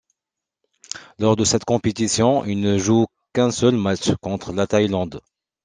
Lors de cette compétition, il ne joue qu'un seul match, contre la Thaïlande.